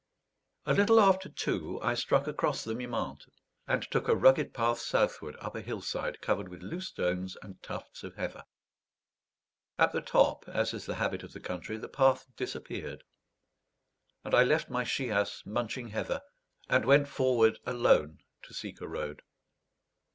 A little after two I struck across the Mimente, and took a rugged path southward up a hillside covered with loose stones and tufts of heather. At the top, as is the habit of the country, the path disappeared; and I left my she ass munching heather, and went forward alone to seek a road.